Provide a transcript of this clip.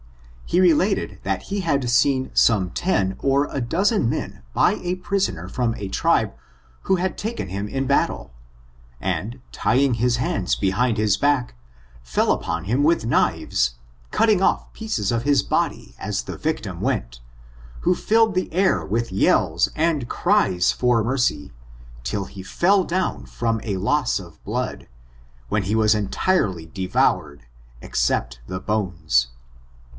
He related that he had seen some ten or a dozen men buy a prisoner from a tribe who had taken him in battle, and, tying his hands behind his back, fell upon him with knives^ cutting off pieces of his body as the victim went, who filled the air with yells and cries for mercy, till he fell down from a loss of blood, when he was entirely devoured, except the bones.